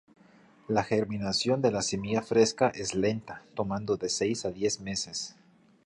La germinación de la semilla fresca es lenta, tomando de seis a diez meses.